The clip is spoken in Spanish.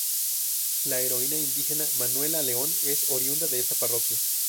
La heroína indígena Manuela León es oriunda de esta parroquia.